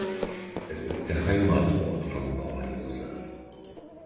Es ist der Heimatort von Bauer Josef.